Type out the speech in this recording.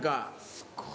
すごい。